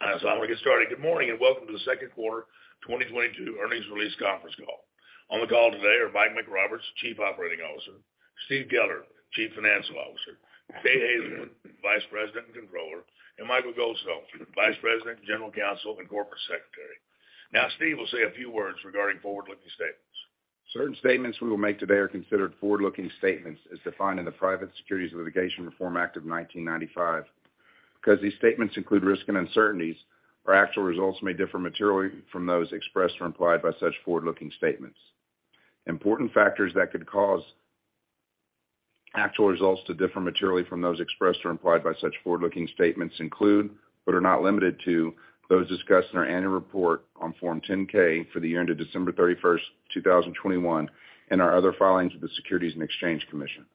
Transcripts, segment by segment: I'm gonna get started. Good morning, and welcome to the second quarter 2022 earnings release conference call. On the call today are Mike McRoberts, Chief Operating Officer, Steve Keller, Chief Financial Officer, Jay Hazelwood, Vice President and Controller, and Michael Goldstone, Vice President, General Counsel and Corporate Secretary. Now, Steve will say a few words regarding forward-looking statements. Certain statements we will make today are considered forward-looking statements as defined in the Private Securities Litigation Reform Act of 1995. Because these statements include risks and uncertainties, our actual results may differ materially from those expressed or implied by such forward-looking statements. Important factors that could cause actual results to differ materially from those expressed or implied by such forward-looking statements include, but are not limited to, those discussed in our annual report on Form 10-K for the year ended December 31st, 2021, and our other filings with the Securities and Exchange Commission.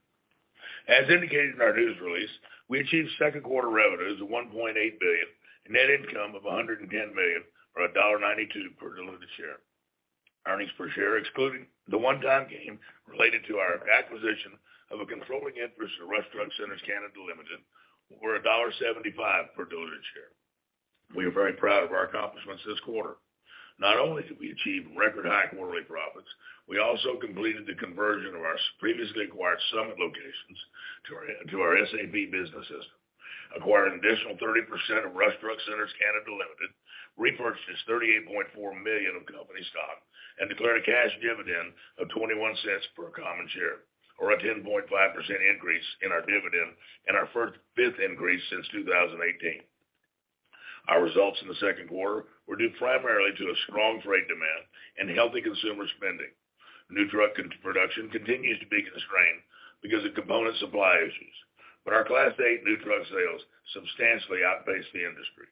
As indicated in our news release, we achieved second quarter revenues of $1.8 billion and net income of $110 million, or $1.92 per diluted share. Earnings per share, excluding the one-time gain related to our acquisition of a controlling interest in Rush Truck Centres of Canada Limited, were $1.75 per diluted share. We are very proud of our accomplishments this quarter. Not only did we achieve record high quarterly profits, we also completed the conversion of our previously acquired Summit Truck Group locations to our SAB business system, acquired an additional 30% of Rush Truck Centres of Canada Limited, repurchased $38.4 million of company stock, and declared a cash dividend of $0.21 per common share, or a 10.5% increase in our dividend and our fifth increase since 2018. Our results in the second quarter were due primarily to a strong freight demand and healthy consumer spending. New truck production continues to be constrained because of component supply issues, but our Class 8 new truck sales substantially outpaced the industry.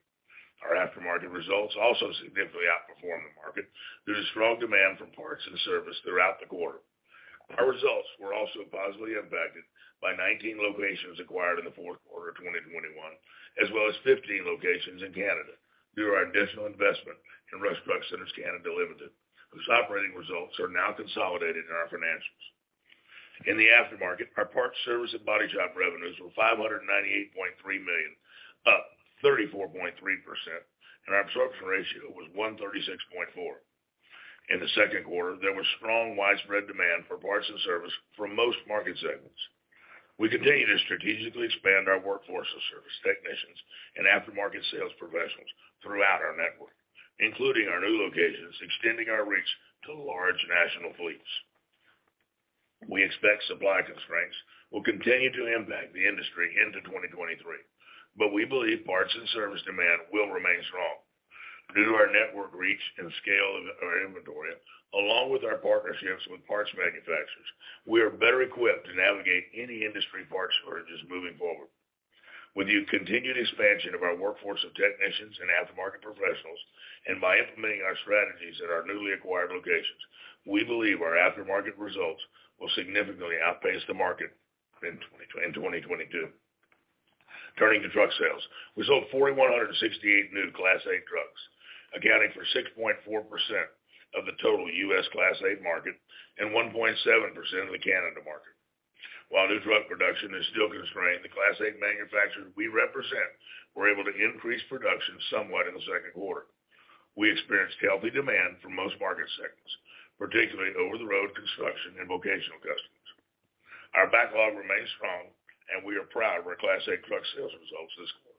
Our aftermarket results also significantly outperformed the market due to strong demand from parts and service throughout the quarter. Our results were also positively impacted by 19 locations acquired in the fourth quarter of 2021, as well as 15 locations in Canada through our additional investment in Rush Truck Centres of Canada Limited, whose operating results are now consolidated in our financials. In the aftermarket, our parts, service, and body shop revenues were $598.3 million, up 34.3%, and our absorption ratio was 136.4. In the second quarter, there was strong widespread demand for parts and service from most market segments. We continue to strategically expand our workforce of service technicians and aftermarket sales professionals throughout our network, including our new locations, extending our reach to large national fleets. We expect supply constraints will continue to impact the industry into 2023, but we believe parts and service demand will remain strong. Due to our network reach and scale of our inventory, along with our partnerships with parts manufacturers, we are better equipped to navigate any industry parts shortages moving forward. With the continued expansion of our workforce of technicians and aftermarket professionals, and by implementing our strategies at our newly acquired locations, we believe our aftermarket results will significantly outpace the market in 2022. Turning to truck sales. We sold 4,168 new Class 8 trucks, accounting for 6.4% of the total U.S. Class 8 market and 1.7% of the Canada market. While new truck production is still constrained, the Class 8 manufacturers we represent were able to increase production somewhat in the second quarter. We experienced healthy demand for most market segments, particularly over-the-road construction and vocational customers. Our backlog remains strong and we are proud of our Class 8 truck sales results this quarter,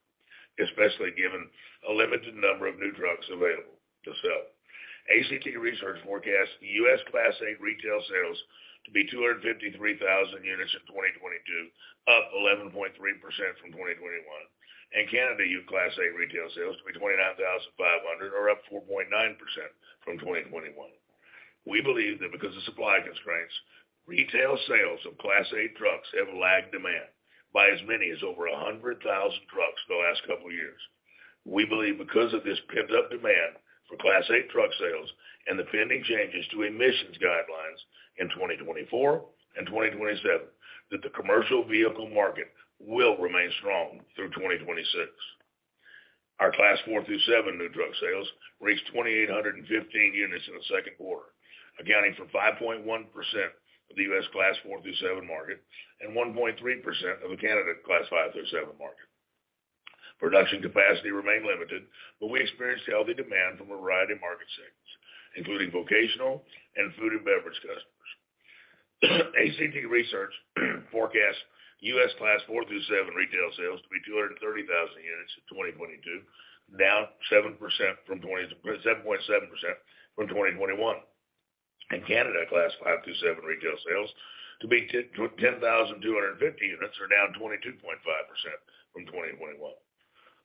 especially given a limited number of new trucks available to sell. ACT Research forecasts U.S. Class 8 retail sales to be 253,000 units in 2022, up 11.3% from 2021. In Canada, new Class 8 retail sales to be 29,500, or up 4.9% from 2021. We believe that because of supply constraints, retail sales of Class 8 trucks have lagged demand by as many as over 100,000 trucks the last couple years. We believe because of this pent-up demand for Class 8 truck sales and the pending changes to emissions guidelines in 2024 and 2027, that the commercial vehicle market will remain strong through 2026. Our Class 4 through 7 new truck sales reached 2,815 units in the second quarter, accounting for 5.1% of the U.S. Class 4 through 7 market and 1.3% of the Canada Class 5 through 7 market. Production capacity remained limited, but we experienced healthy demand from a variety of market segments, including vocational and food and beverage customers. ACT Research forecasts U.S. Class 4 through 7 retail sales to be 230,000 units in 2022, down 7.7% from 2021. In Canada, Class 5 through 7 retail sales to be 10,250 units, down 22.5% from 2021.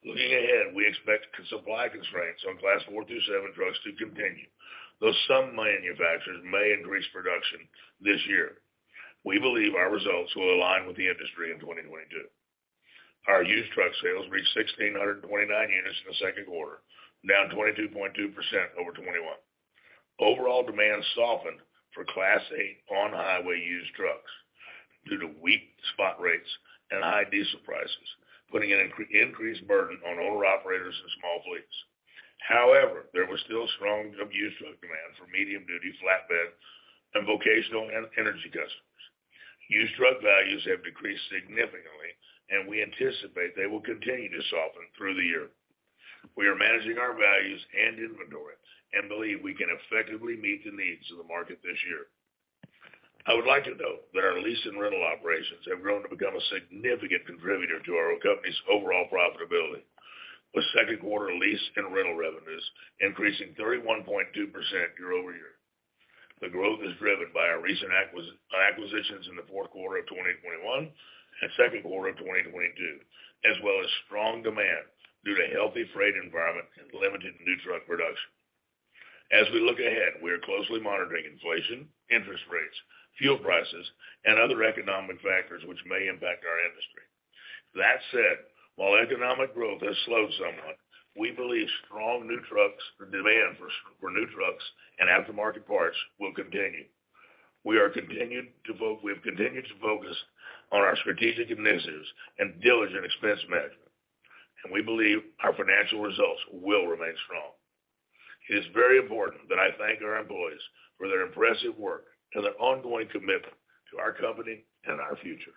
Looking ahead, we expect supply constraints on Class 4 through 7 trucks to continue, though some manufacturers may increase production this year. We believe our results will align with the industry in 2022. Our used truck sales reached 1,629 units in the second quarter, down 22.2% over 2021. Overall demand softened for Class 8 on-highway used trucks due to weak spot rates and high diesel prices, putting an increased burden on owner-operators and small fleets. However, there was still strong used truck demand for medium-duty, flatbed, and vocational energy customers. Used truck values have decreased significantly, and we anticipate they will continue to soften through the year. We are managing our values and inventory and believe we can effectively meet the needs of the market this year. I would like you to know that our lease and rental operations have grown to become a significant contributor to our company's overall profitability, with second quarter lease and rental revenues increasing 31.2% year-over-year. The growth is driven by our recent acquisitions in the fourth quarter of 2021 and second quarter of 2022, as well as strong demand due to healthy freight environment and limited new truck production. As we look ahead, we are closely monitoring inflation, interest rates, fuel prices, and other economic factors which may impact our industry. That said, while economic growth has slowed somewhat, we believe strong demand for new trucks and aftermarket parts will continue. We have continued to focus on our strategic initiatives and diligent expense management, and we believe our financial results will remain strong. It is very important that I thank our employees for their impressive work and their ongoing commitment to our company and our future.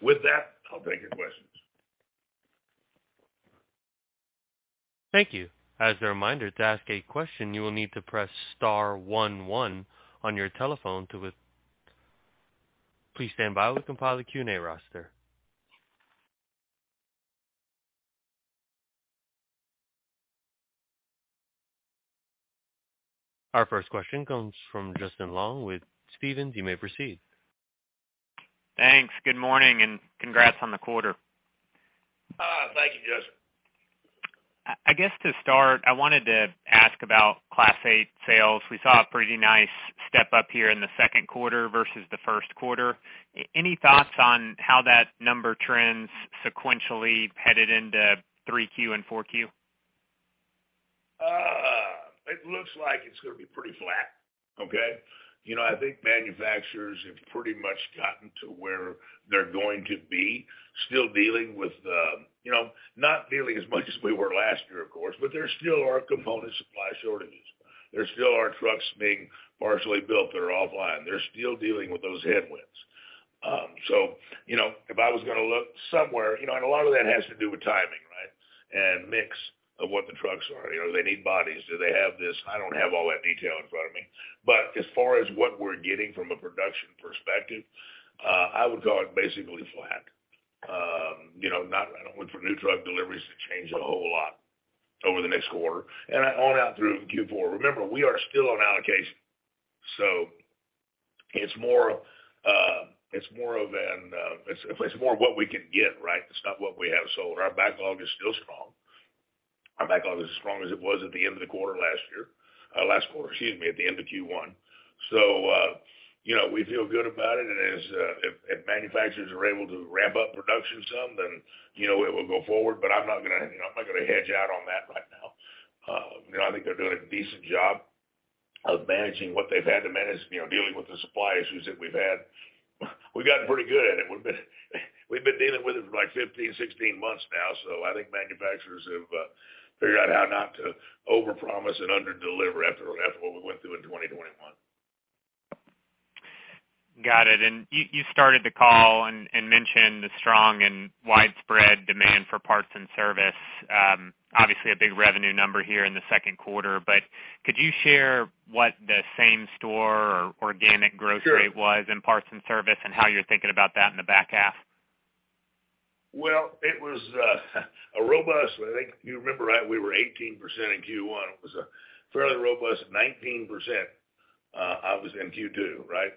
With that, I'll take your questions. Thank you. As a reminder, to ask a question, you will need to press star one one on your telephone. Please stand by. We'll compile the Q&A roster. Our first question comes from Justin Long with Stephens. You may proceed. Thanks. Good morning, and congrats on the quarter. Thank you, Justin. I guess to start, I wanted to ask about Class 8 sales. We saw a pretty nice step-up here in the second quarter versus the first quarter. Any thoughts on how that number trends sequentially headed into 3Q and 4Q? It looks like it's gonna be pretty flat. You know, I think manufacturers have pretty much gotten to where they're going to be still dealing with, you know, not dealing as much as we were last year, of course, but there still are component supply shortages. There still are trucks being partially built that are offline. They're still dealing with those headwinds. So, you know, if I was gonna look somewhere, you know, and a lot of that has to do with timing, right, and mix of what the trucks are. You know, they need bodies. Do they have this? I don't have all that detail in front of me. But as far as what we're getting from a production perspective, I would call it basically flat. You know, I don't look for new truck deliveries to change a whole lot over the next quarter and on out through Q4. Remember, we are still on allocation, so it's more what we can get, right? It's not what we have sold. Our backlog is still strong. Our backlog is as strong as it was at the end of last quarter, excuse me, Q1. You know, we feel good about it. As if manufacturers are able to ramp up production some, then you know it will go forward. I'm not gonna, you know, hedge out on that right now. You know, I think they're doing a decent job of managing what they've had to manage, you know, dealing with the supply issues that we've had. We've gotten pretty good at it. We've been dealing with it for, like, 15, 16 months now, so I think manufacturers have figured out how not to overpromise and underdeliver after what we went through in 2021. Got it. You started the call and mentioned the strong and widespread demand for parts and service, obviously a big revenue number here in the second quarter. Could you share what the same store or organic growth rate? Sure. What was in parts and service and how you're thinking about that in the back half? Well, it was a robust. I think you remember right, we were 18% in Q1. It was a fairly robust 19%, obviously in Q2, right?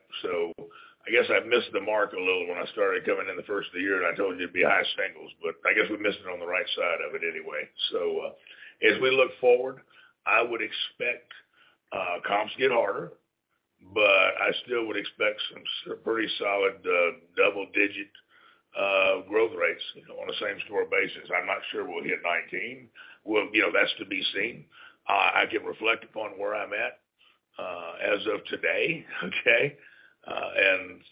I guess I missed the mark a little when I started coming in the first of the year, and I told you it'd be high single digits, but I guess we missed it on the right side of it anyway. As we look forward, I would expect comps get harder, but I still would expect some pretty solid double-digit growth rates, you know, on a same-store basis. I'm not sure we'll hit 19. You know, that's to be seen. I can reflect upon where I'm at as of today, okay?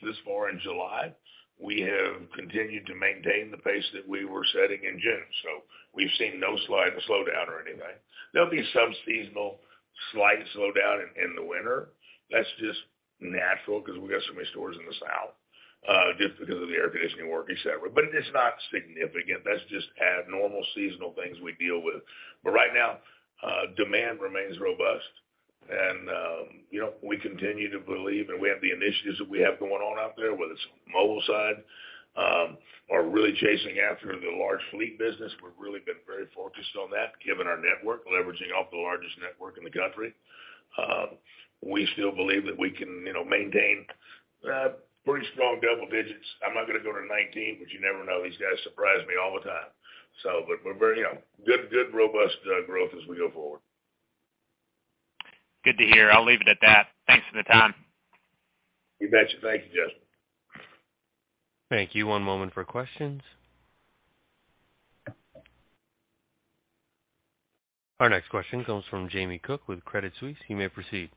This far in July, we have continued to maintain the pace that we were setting in June. We've seen no slide or slowdown or anything. There'll be some seasonal slight slowdown in the winter. That's just natural because we got so many stores in the south, just because of the air conditioning work, et cetera. It's not significant. That's just abnormal seasonal things we deal with. Right now, demand remains robust and, you know, we continue to believe, and we have the initiatives that we have going on out there, whether it's mobile side, or really chasing after the large fleet business. We've really been very focused on that, given our network, leveraging off the largest network in the country. We still believe that we can, you know, maintain pretty strong double digits. I'm not gonna go to 19, but you never know. These guys surprise me all the time. We're very, you know, good robust growth as we go forward. Good to hear. I'll leave it at that. Thanks for the time. You betcha. Thank you, Justin. Thank you. One moment for questions. Our next question comes from Jamie Cook with Credit Suisse. You may proceed.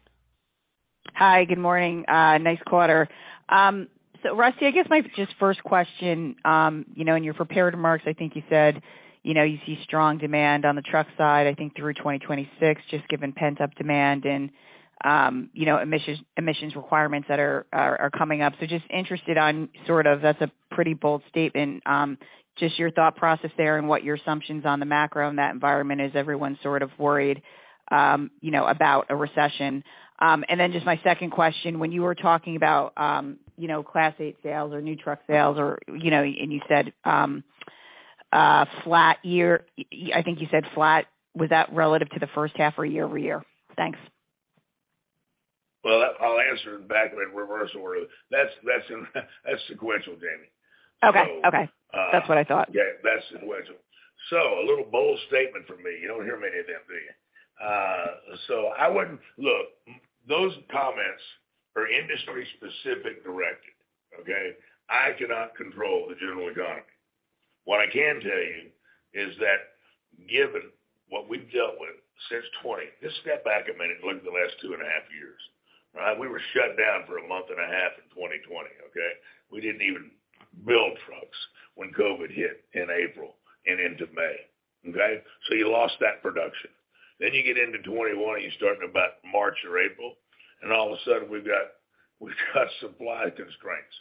Hi. Good morning. Nice quarter. Rusty, I guess my just first question, you know, in your prepared remarks, I think you said, you know, you see strong demand on the truck side, I think through 2026, just given pent-up demand and, you know, emissions requirements that are coming up. Just interested on sort of that's a pretty bold statement, just your thought process there and what your assumptions on the macro in that environment as everyone's sort of worried, you know, about a recession. Then just my second question, when you were talking about, you know, Class 8 sales or new truck sales or, you know, and you said, flat year. I think you said flat, was that relative to the first half or year-over-year? Thanks. Well, I'll answer it back in reverse order. That's sequential, Jamie. Okay. Okay. So, uh- That's what I thought. Yeah, that's sequential. A little bold statement from me. You don't hear many of them, do you? Look, those comments are industry-specific directed, okay? I cannot control the general economy. What I can tell you is that given what we've dealt with since 2020, just step back a minute and look at the last two and a half years, right? We were shut down for a month and a half in 2020, okay? We didn't even build trucks when COVID hit in April and into May, okay? You lost that production. You get into 2021, and you're starting about March or April, and all of a sudden we've got supply constraints,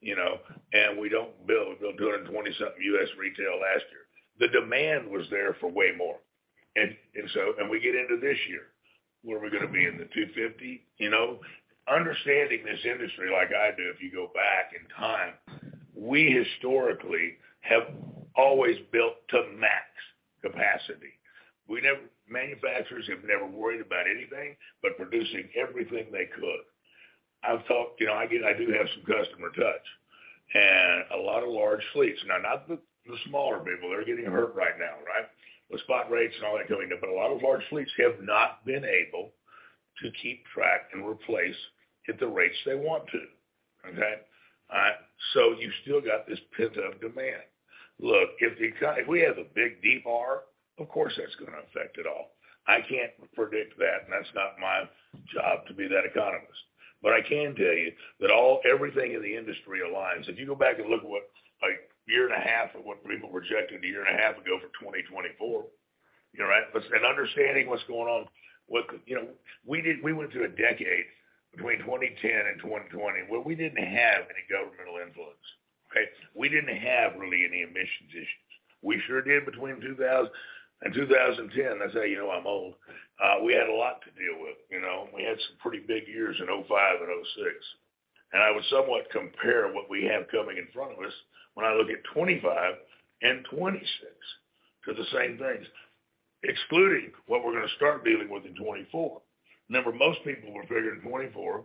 you know, and we don't build. We build 220-something U.S. retail last year. The demand was there for way more, and so. We get into this year, where are we gonna be, in the $250? You know, understanding this industry like I do, if you go back in time, we historically have always built to max capacity. Manufacturers have never worried about anything but producing everything they could. You know, I do have some customer touch and a lot of large fleets. Now, not the smaller people, they're getting hurt right now, right? With spot rates and all that going up. But a lot of large fleets have not been able to get trucks and replace at the rates they want to. Okay? You still got this pent-up demand. Look, if we have a big recession, of course, that's gonna affect it all. I can't predict that, and that's not my job to be that economist. I can tell you that everything in the industry aligns. If you go back and look at what, like, a year and a half ago what people projected a year and a half ago for 2024, you know, right? Understanding what's going on, what. You know, we went through a decade between 2010 and 2020, where we didn't have any governmental influence. Okay? We didn't have really any emissions issues. We sure did between 2000 and 2010. I say, you know, I'm old. We had a lot to deal with, you know? We had some pretty big years in 2005 and 2006. I would somewhat compare what we have coming in front of us when I look at 2025 and 2026 to the same things, excluding what we're gonna start dealing with in 2024. Remember, most people were figuring 2024,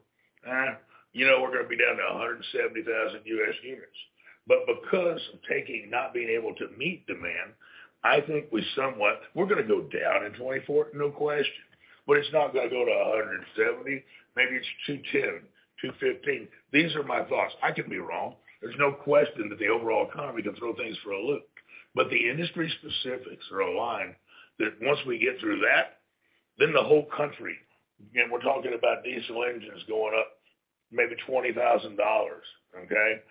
you know, we're gonna be down to 170,000 U.S. units. Because of not being able to meet demand, I think we somewhat. We're gonna go down in 2024, no question, but it's not gonna go to 170,000. Maybe it's 210, 215. These are my thoughts. I could be wrong. There's no question that the overall economy can throw things for a loop. The industry specifics are aligned that once we get through that, then the whole country, and we're talking about diesel engines going up maybe $20,000, okay?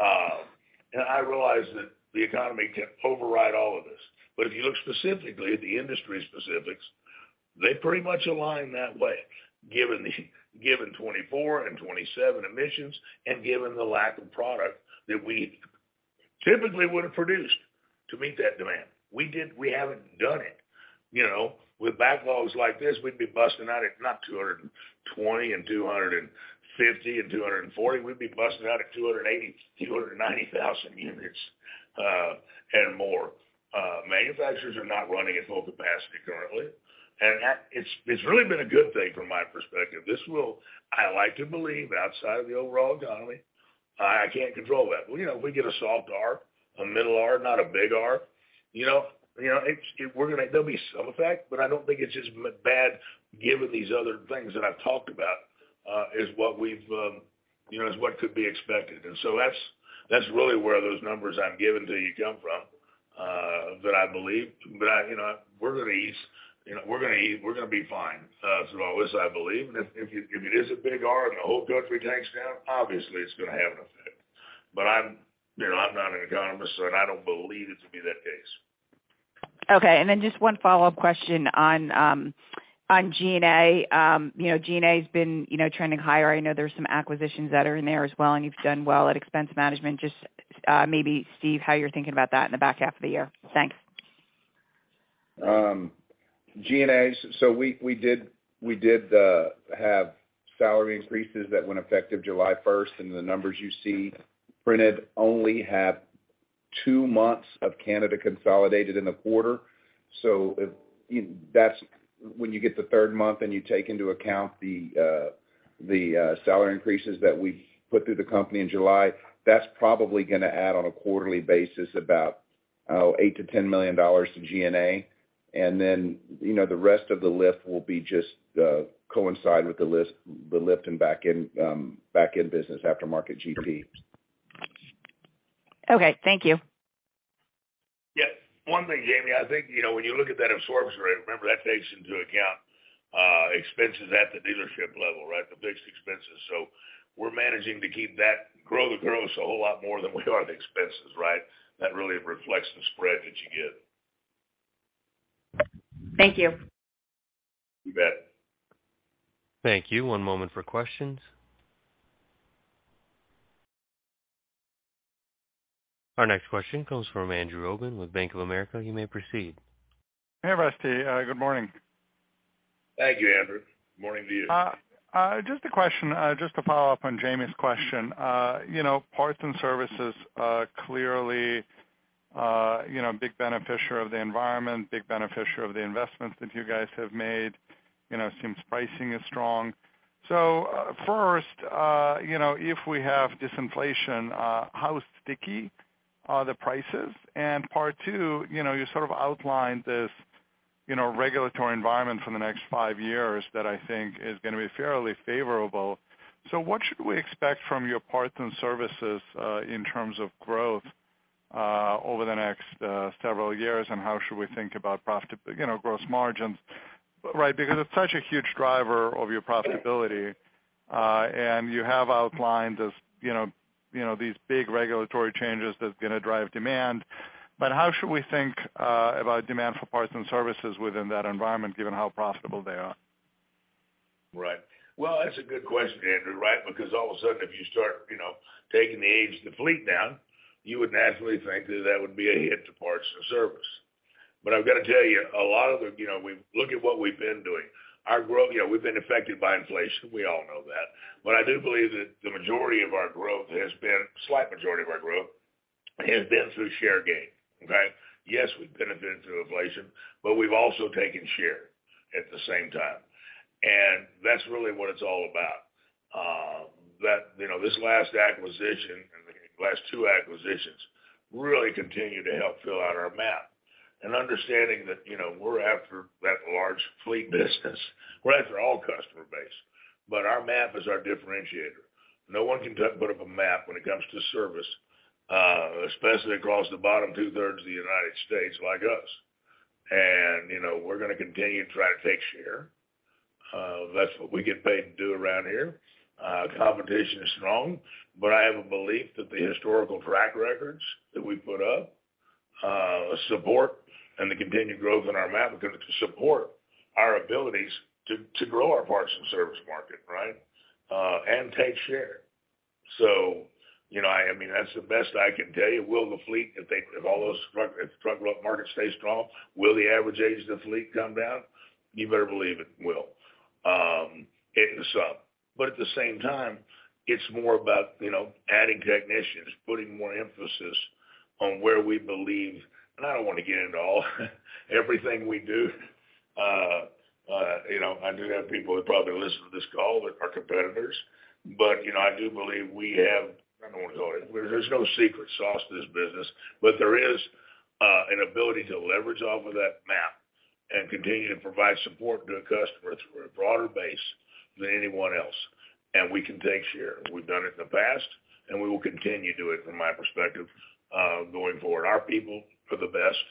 I realize that the economy can override all of this. If you look specifically at the industry specifics, they pretty much align that way, given 2024 and 2027 emissions and given the lack of product that we typically would have produced to meet that demand. We haven't done it. You know, with backlogs like this, we'd be busting out at not 220 and 250 and 240, we'd be busting out at 280, 290,000 units and more. Manufacturers are not running at full capacity currently. It's really been a good thing from my perspective. This will. I like to believe outside of the overall economy, I can't control that. Well, you know, if we get a soft R, a middle R, not a big R, you know, there'll be some effect, but I don't think it's as bad given these other things that I've talked about is what could be expected. That's really where those numbers I'm giving to you come from that I believe. You know, we're gonna ease. You know, we're gonna ease. We're gonna be fine through all this, I believe. If it is a big R and the whole country tanks down, obviously, it's gonna have an effect. I'm not an economist, and I don't believe it to be that case. Okay. Just one follow-up question on G&A. You know, G&A's been, you know, trending higher. I know there's some acquisitions that are in there as well, and you've done well at expense management. Just maybe, Steve, how you're thinking about that in the back half of the year? Thanks. G&A, so we did have salary increases that went effective July first, and the numbers you see printed only have two months of Canada consolidated in the quarter. When you get the third month and you take into account the salary increases that we put through the company in July, that's probably gonna add on a quarterly basis about $8 million-$10 million to G&A. You know, the rest of the lift will be just coincide with the lift in back-end business aftermarket GP. Okay. Thank you. Yeah. One thing, Jamie, I think, you know, when you look at that absorption rate, remember that takes into account expenses at the dealership level, right? The fixed expenses. We're managing to grow the gross a whole lot more than we are the expenses, right? That really reflects the spread that you get. Thank you. You bet. Thank you. One moment for questions. Our next question comes from Andrew Obin with Bank of America. He may proceed. Hey, Rusty. Good morning. Thank you, Andrew. Morning to you. Just a question, just to follow up on Jamie's question. You know, parts and services, clearly, you know, big beneficiary of the environment, big beneficiary of the investments that you guys have made, you know, since pricing is strong. First, you know, if we have disinflation, how sticky are the prices? And part two, you know, you sort of outlined this, you know, regulatory environment for the next five years that I think is gonna be fairly favorable. What should we expect from your parts and services, in terms of growth, over the next several years? And how should we think about you know, gross margins, right? Because it's such a huge driver of your profitability, and you have outlined this, you know, these big regulatory changes that's gonna drive demand. How should we think about demand for parts and services within that environment, given how profitable they are? Right. Well, that's a good question, Andrew, right? Because all of a sudden, if you start, you know, taking the age of the fleet down, you would naturally think that would be a hit to parts and service. But I've gotta tell you, a lot of the. You know, look at what we've been doing. Our growth, you know, we've been affected by inflation. We all know that. But I do believe that a slight majority of our growth has been through share gain, okay? Yes, we've benefited through inflation, but we've also taken share at the same time. That's really what it's all about. That, you know, this last acquisition, I mean, last two acquisitions, really continue to help fill out our map. Understanding that, you know, we're after that large fleet business. We're after all customer base, but our map is our differentiator. No one can put up a map when it comes to service, especially across the bottom two-thirds of the United States like us. You know, we're gonna continue to try to take share. That's what we get paid to do around here. Competition is strong, but I have a belief that the historical track records that we put up support and the continued growth in our map are gonna support our abilities to grow our parts and service market, right? And take share. You know, I mean, that's the best I can tell you. Will the fleet, if all those trucks, if the truck market stays strong, will the average age of the fleet come down? You better believe it will, it and then some. At the same time, it's more about, you know, adding technicians, putting more emphasis on where we believe. I don't wanna get into all everything we do. You know, I do have people that probably listen to this call that are competitors, but, you know, I do believe we have. I don't wanna go anywhere. There's no secret sauce to this business, but there is an ability to leverage off of that map and continue to provide support to our customers for a broader base than anyone else. We can take share. We've done it in the past, and we will continue to do it from my perspective, going forward. Our people are the best,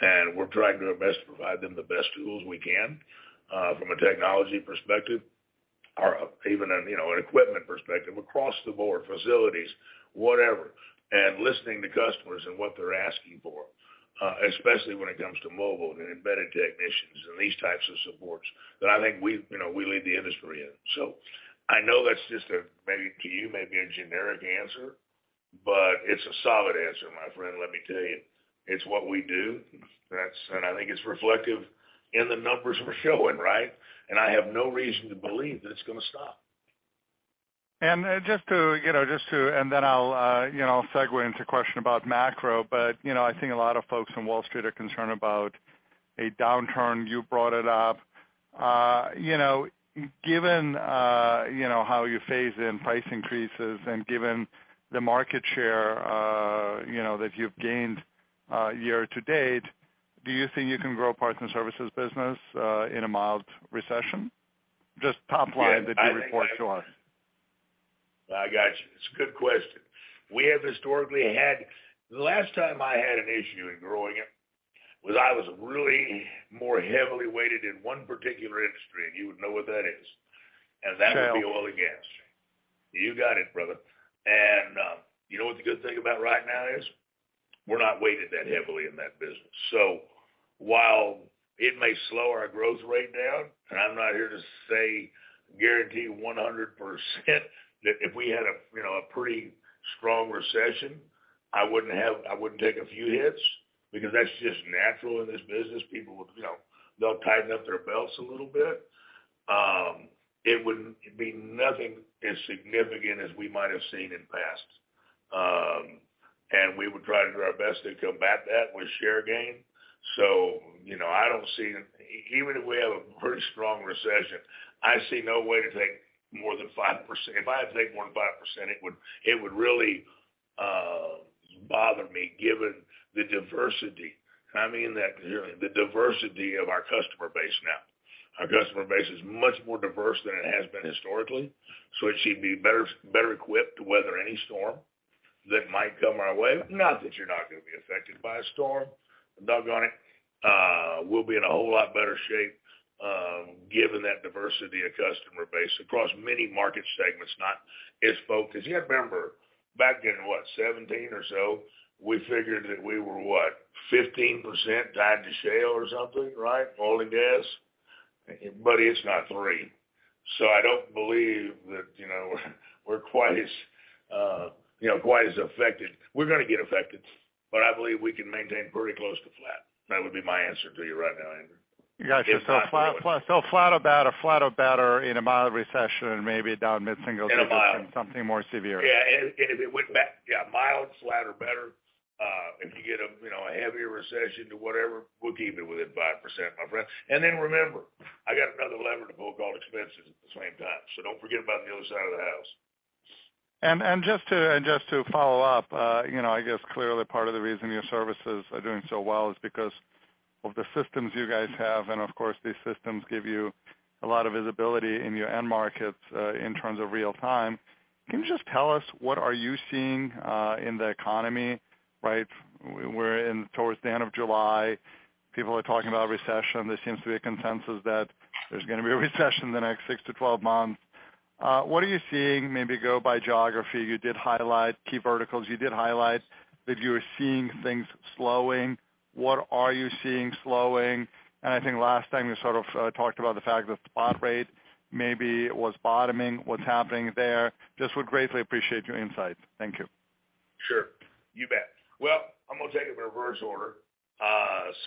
and we're trying our best to provide them the best tools we can, from a technology perspective, or even, you know, an equipment perspective, across the board, facilities, whatever, and listening to customers and what they're asking for, especially when it comes to mobile and embedded technicians and these types of supports that I think we, you know, we lead the industry in. I know that's just a, maybe to you, maybe a generic answer, but it's a solid answer, my friend, let me tell you. It's what we do. That's. I think it's reflective in the numbers we're showing, right? I have no reason to believe that it's gonna stop. I'll you know, segue into a question about macro. You know, I think a lot of folks on Wall Street are concerned about a downturn. You brought it up. You know, given you know, how you phase in price increases and given the market share, you know, that you've gained, year to date, do you think you can grow parts and services business, in a mild recession? Just top line that you report to us. I got you. It's a good question. We have historically had. The last time I had an issue in growing it was I was really more heavily weighted in one particular industry, and you would know what that is. Tell. That would be oil and gas. You got it, brother. You know what the good thing about right now is? We're not weighted that heavily in that business. While it may slow our growth rate down, and I'm not here to say guarantee 100% that if we had a you know a pretty strong recession, I wouldn't take a few hits because that's just natural in this business. People would, you know, they'll tighten up their belts a little bit. It wouldn't be nothing as significant as we might have seen in past. We would try to do our best to combat that with share gain. You know, I don't see. Even if we have a pretty strong recession, I see no way to take more than 5%. If I have to take more than 5%, it would really bother me, given the diversity. I mean that genuinely, the diversity of our customer base now. Our customer base is much more diverse than it has been historically, so it should be better equipped to weather any storm that might come our way. Not that you're not gonna be affected by a storm. Doggone it, we'll be in a whole lot better shape, given that diversity of customer base across many market segments, not as focused. You remember back in, what, 2017 or so, we figured that we were, what, 15% tied to shale or something, right? Oil and gas. But it's not 3%. I don't believe that, you know, we're quite as, you know, quite as affected. We're gonna get affected, but I believe we can maintain pretty close to flat. That would be my answer to you right now, Andrew. Got you. Flat or better in a mild recession, and maybe down mid-single digits. In a mild. in something more severe. Yeah. If it went back, yeah, mild, flat or better. If you get, you know, a heavier recession to whatever, we'll keep it within 5%, my friend. Then remember, I got another lever to bolt on expenses at the same time. Don't forget about the other side of the house. Just to follow up, you know, I guess clearly part of the reason your services are doing so well is because of the systems you guys have. And of course, these systems give you a lot of visibility in your end markets, in terms of real time. Can you just tell us what are you seeing in the economy, right? We're in towards the end of July. People are talking about recession. There seems to be a consensus that there's gonna be a recession in the next 6-12 months. What are you seeing? Maybe go by geography. You did highlight key verticals. You did highlight that you were seeing things slowing. What are you seeing slowing? And I think last time you sort of talked about the fact that the spot rate maybe was bottoming. What's happening there? Just would greatly appreciate your insight. Thank you. Sure. You bet. Well, I'm gonna take it in reverse order.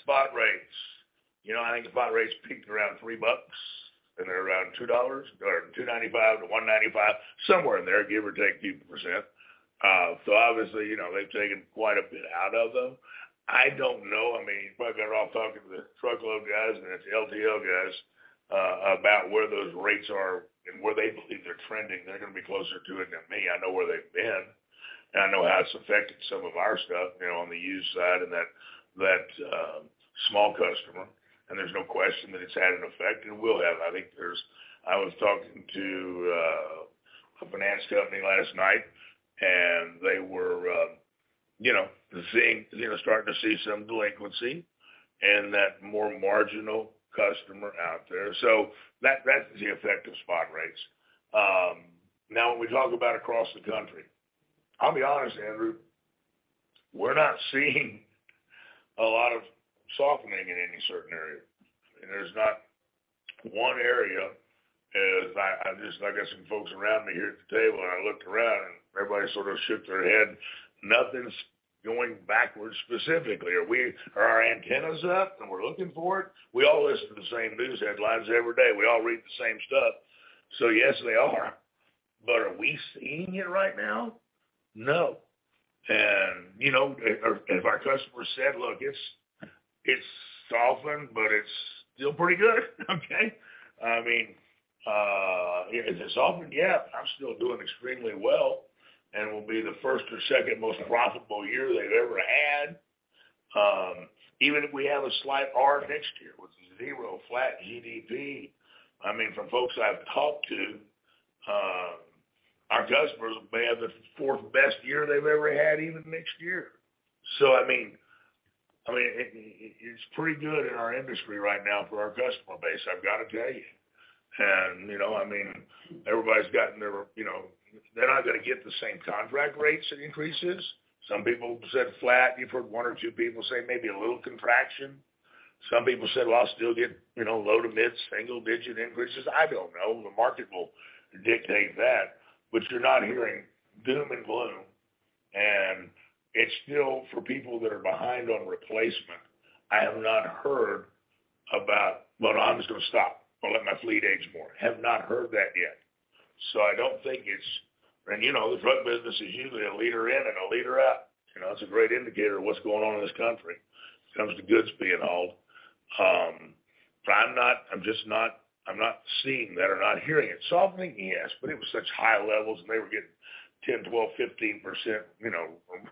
Spot rates. You know, I think the spot rates peaked around $3, and they're around $2 or $2.95-$1.95, somewhere in there, give or take a few percent. So obviously, you know, they've taken quite a bit out of them. I don't know. I mean, you'd be better off talking to the truckload guys and the LTL guys, about where those rates are and where they believe they're trending, they're gonna be closer to it than me. I know where they've been, and I know how it's affected some of our stuff, you know, on the used side and that small customer, and there's no question that it's had an effect and will have. I think there's. I was talking to a finance company last night, and they were you know seeing you know starting to see some delinquency and that more marginal customer out there. That, that's the effect of spot rates. Now when we talk about across the country, I'll be honest, Andrew, we're not seeing a lot of softening in any certain area. There's not one area, as I just got some folks around me here at the table, and I looked around and everybody sort of shook their head. Nothing's going backwards specifically. Are our antennas up and we're looking for it? We all listen to the same news headlines every day. We all read the same stuff. Yes, they are. Are we seeing it right now? No. You know, if our customers said, "Look, it's softened, but it's still pretty good." Okay. I mean, is it softened? Yeah. I'm still doing extremely well and will be the first or second most profitable year they've ever had. Even if we have a slight recession next year with zero to flat GDP, I mean, from folks I've talked to, our customers may have the fourth-best year they've ever had even next year. I mean, it's pretty good in our industry right now for our customer base, I've got to tell you. You know, I mean, everybody's gotten their. They're not gonna get the same contract rates and increases. Some people said flat. You've heard one or two people say maybe a little contraction. Some people said, "Well, I'll still get, you know, low to mid-single digit increases." I don't know. The market will dictate that, but you're not hearing doom and gloom. It's still for people that are behind on replacement. I have not heard about, "Well, I'm just gonna stop. I'll let my fleet age more." I have not heard that yet. You know, the truck business is usually a leader in and a leader out. You know, it's a great indicator of what's going on in this country when it comes to goods being hauled. I'm just not seeing that or not hearing it. Softening, yes, but it was such high levels, and they were getting 10%, 12%, 15%, you know,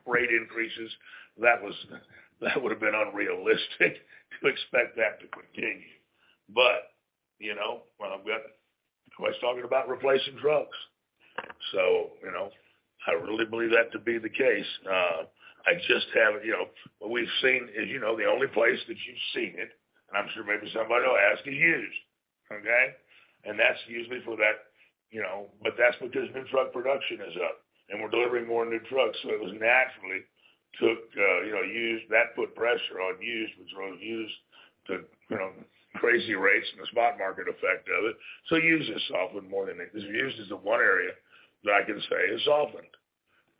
rate increases. That would've been unrealistic to expect that to continue. Everybody's talking about replacing trucks. You know, I really believe that to be the case. I just haven't, you know, what we've seen is, you know, the only place that you've seen it, and I'm sure maybe somebody will ask, is used. Okay? That's usually for that, you know. That's because new truck production is up, and we're delivering more new trucks, so it naturally took used. That put pressure on used, which drove used to crazy rates and the spot market effect of it. Used has softened more than. Because used is the one area that I can say has softened.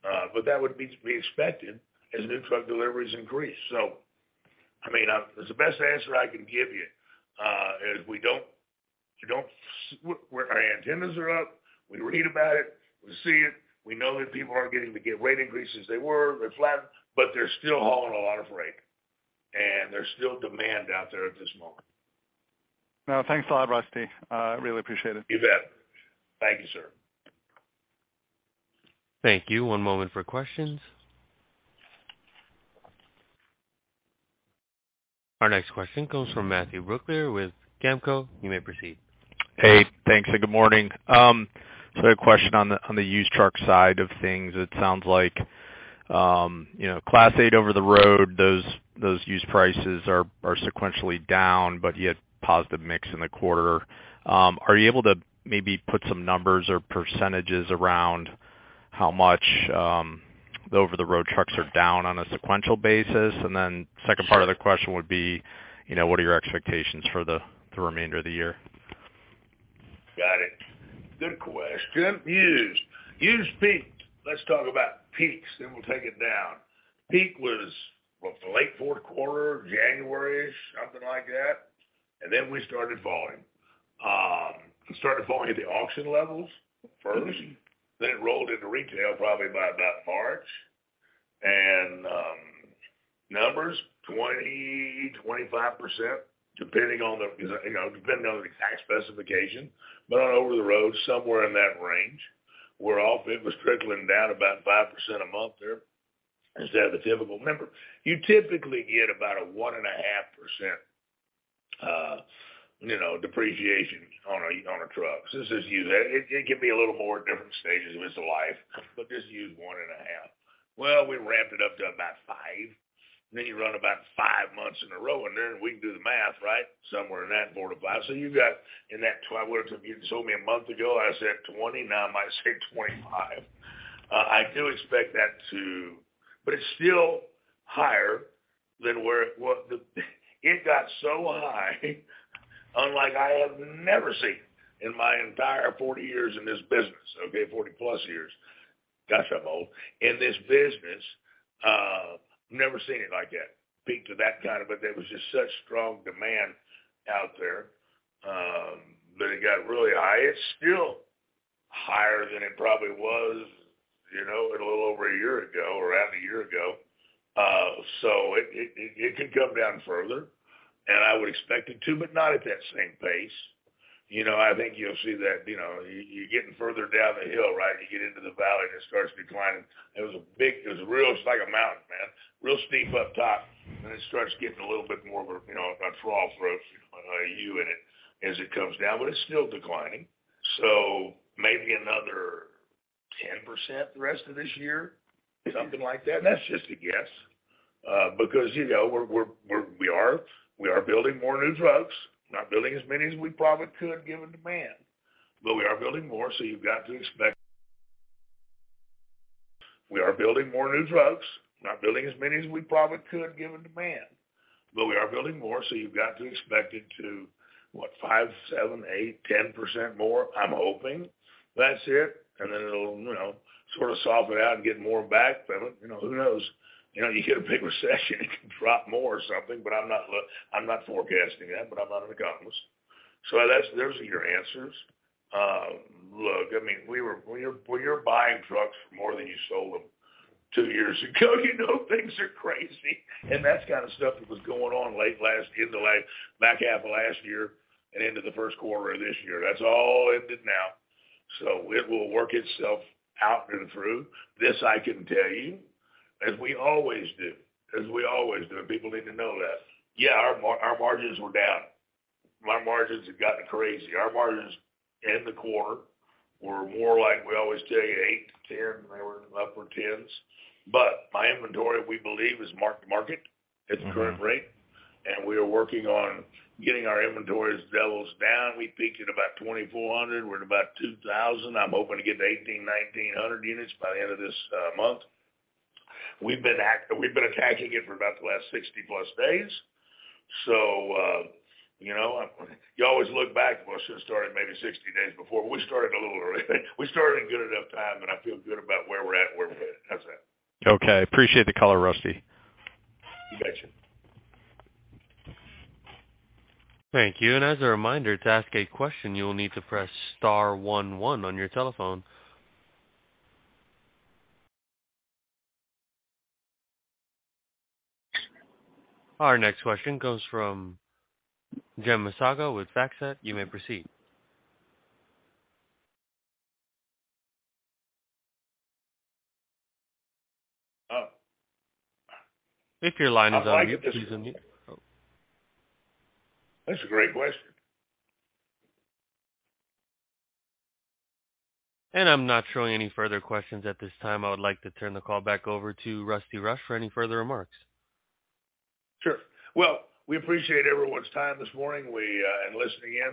That would be expected as new truck deliveries increase. I mean, the best answer I can give you is our antennas are up. We read about it. We see it. We know that people aren't getting the rate increases they were. They're flattened, but they're still hauling a lot of freight. There's still demand out there at this moment. No, thanks a lot, Rusty. Really appreciate it. You bet. Thank you, sir. Thank you. One moment for questions. Our next question comes from Matthew Brooklier with GAMCO. You may proceed. Hey, thanks and good morning. I had a question on the used truck side of things. It sounds like Class 8 over-the-road, those used prices are sequentially down, but yet positive mix in the quarter. Are you able to maybe put some numbers or percentages around how much the over-the-road trucks are down on a sequential basis? Then second part of the question would be, what are your expectations for the remainder of the year? Got it. Good question. Used peaked. Let's talk about peaks, then we'll take it down. Peak was, what, the late fourth quarter, January-ish, something like that. We started falling at the auction levels first, then it rolled into retail probably by about March. Numbers, 20%-25%, depending on the, you know, depending on the exact specification, but on over the road, somewhere in that range, while it was trickling down about 5% a month there. Instead of the typical. Remember, you typically get about 1.5%, you know, depreciation on a truck. This is usually. It can be a little more at different stages of its life, but just use 1.5. Well, we ramped it up to about five. You run about five months in a row, and then we can do the math, right? Somewhere in that border. You've got in that 12. If you'd have told me a month ago, I'd have said 20, now I might say 25. I do expect that too, but it's still higher than where it was. It got so high, like I have never seen in my entire 40 years in this business, okay, 40+ years. Gosh, I'm old. In this business, never seen it like that, peaked to that kind of. There was just such strong demand out there, that it got really high. It's still higher than it probably was, you know, a little over a year ago or around a year ago. It could come down further, and I would expect it to, but not at that same pace. You know, I think you'll see that, you know, you're getting further down the hill, right? You get into the valley and it starts declining. It's like a mountain, man. Real steep up top, and it starts getting a little bit more of a, you know, a trough road, you know, a U in it as it comes down, but it's still declining. Maybe another 10% the rest of this year, something like that. That's just a guess. Because, you know, we are building more new trucks, not building as many as we probably could given demand, but we are building more, so you've got to expect... We are building more new trucks, not building as many as we probably could given demand, but we are building more, so you've got to expect it to, what, 5%, 7%, 8%, 10% more. I'm hoping that's it, and then it'll, you know, sort of soften out and get more back. But, you know, who knows? You know, you get a big recession, it can drop more or something. But I'm not forecasting that, but I'm not an economist. So that's, those are your answers. Look, I mean, when you're buying trucks more than you sold them two years ago, you know, things are crazy. That's kind of stuff that was going on late last, in the late back half of last year and into the first quarter of this year. That's all ended now. It will work itself out and through. This I can tell you, as we always do, and people need to know that. Yeah, our margins were down. My margins have gotten crazy. Our margins in the quarter were more like we always tell you, 8%-10%. They were in the upper 10s. My inventory, we believe, is marked to market at the current rate. Mm-hmm. We are working on getting our inventories levels down. We peaked at about 2,400. We're at about 2,000. I'm hoping to get to 1,800-1,900 units by the end of this month. We've been attacking it for about the last 60+ days. You know, you always look back. Well, I should have started maybe 60 days before. We started a little early. We started in good enough time, and I feel good about where we're at and where we're headed. How's that? Okay. Appreciate the color, Rusty. You betcha. Thank you. As a reminder, to ask a question, you will need to press star one one on your telephone. Our next question comes from Jim Masango with FactSet. You may proceed. Oh. If your line is on mute, please unmute. That's a great question. I'm not showing any further questions at this time. I would like to turn the call back over to Rusty Rush for any further remarks. Sure. Well, we appreciate everyone's time this morning and listening in.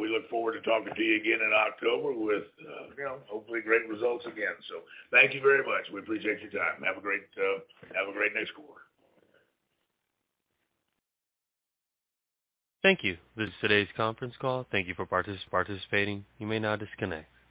We look forward to talking to you again in October with, you know, hopefully great results again. Thank you very much. We appreciate your time. Have a great next quarter. Thank you. This is today's conference call. Thank you for participating. You may now disconnect.